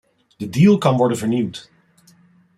De deal kan worden vernieuwd.